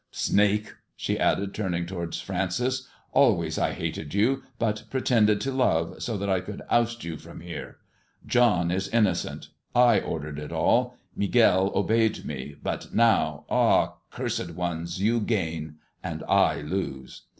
&iake !" she added, ton towards Francia, " always I hated you, but pretenfcj love, so that I could oust you from hwe. John is ii I ordered it all. Miguel obeyed me; but now! nowl cursed ones I you gain, and I lose."